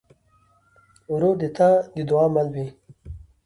ورور د تا د دعا مل وي.